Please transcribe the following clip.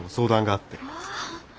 ああ。